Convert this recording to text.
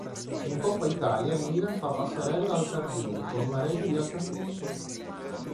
In Coppa Italia il Milan fa passerella al "Tardini" con una rete di Altafini.